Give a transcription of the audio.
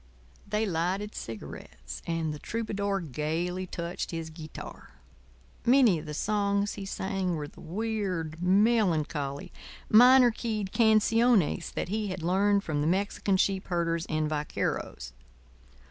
They lighted cigarettes; and the troubadour gaily touched his guitar. Many of the songs he sang were the weird, melancholy, minor keyed canciones that he had learned from the Mexican sheep herders and vaqueros.